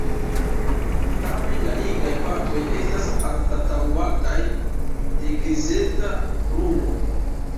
Tamen la nigraj partoj estas anstataŭataj de grizeca bruno.